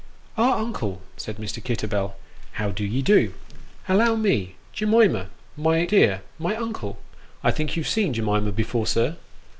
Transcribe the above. " Ah, uncle !" said Mr. Kitterbell, " how d'ye do ? Allow me Jemima, my dear my uncle. I think you've seen Jemima before, sir